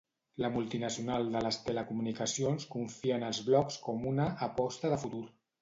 La multinacional de les telecomunicacions confia en els blogs com una "aposta de futur".